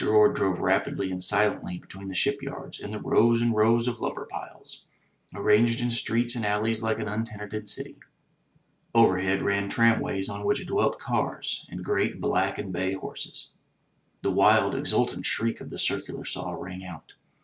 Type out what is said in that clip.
Orde drove rapidly and silently between the shipyards and the rows and rows of lumber piles, arranged in streets and alleys like an untenanted city. Overhead ran tramways on 126 THE TREASURE CHEST which dwelt cars and great black and bay horses. The wild exultant shriek of the circular saw rang out.